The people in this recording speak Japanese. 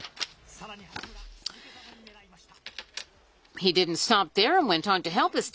さらに八村、続けざまに狙いました。